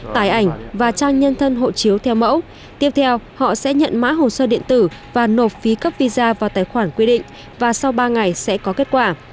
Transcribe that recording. tải ảnh và trang nhân thân hộ chiếu theo mẫu tiếp theo họ sẽ nhận mã hồ sơ điện tử và nộp phí cấp visa vào tài khoản quy định và sau ba ngày sẽ có kết quả